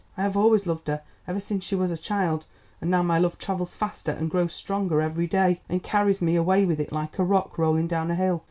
I have always loved her, ever since she was a child, and now my love travels faster and grows stronger every day, and carries me away with it like a rock rolling down a hill.